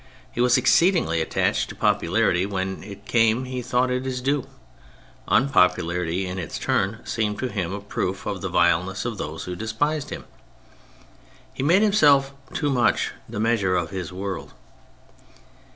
He was exceedingly attached to popularity, when it came he thought it his due ; unpopularity in its turn seemed to him a proof of the vileness of those who despised him. He made himself too much the measure of his world.